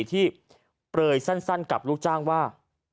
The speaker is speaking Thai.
ที่เปลยสั้นกับลูกจ้างว่า